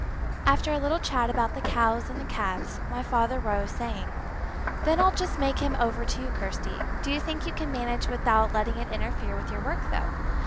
After a little chat about the cows and the calves, my father rose, saying "Then I'll just make him over to you, Kirsty. Do you think you can manage without letting it interfere with your work, though?"